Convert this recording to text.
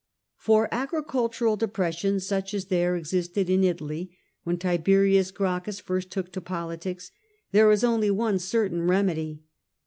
^^ For agricultural depression, such as there existed in Italy when Tiberius Gracchus first took to politics, there is only one certain remedy.